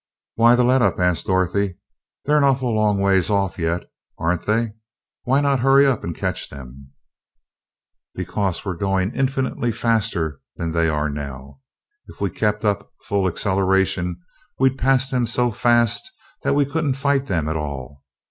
"Why the let up?" asked Dorothy. "They're an awful long ways off yet, aren't they? Why not hurry up and catch them?" "Because we're going infinitely faster than they are now. If we kept up full acceleration, we'd pass them so fast that we couldn't fight them at all.